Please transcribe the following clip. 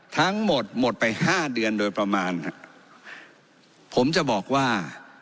ทั้งหมดหมดไปห้าเดือนโดยประมาณฮะผมจะบอกว่า